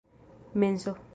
menso